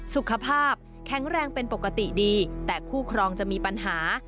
สุขภาพแข็งแรงเป็นปกติดีแต่คู่ครองจะมีปัญหา